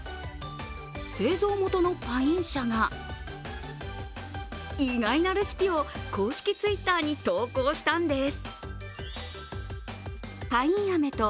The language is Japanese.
製造元のパイン社が意外なレシピを公式Ｔｗｉｔｔｅｒに投稿したんです。